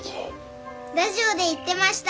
ラジオで言ってました。